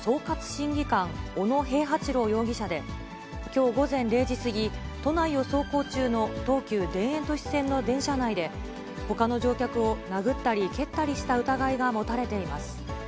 審議官、小野平八郎容疑者で、きょう午前０時過ぎ、都内を走行中の東急田園都市線の電車内で、ほかの乗客を殴ったり蹴ったりした疑いが持たれています。